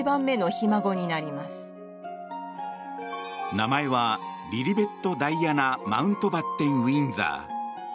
名前はリリベット・ダイアナ・マウントバッテン・ウィンザー。